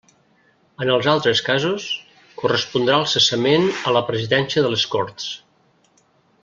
En els altres casos, correspondrà el cessament a la Presidència de les Corts.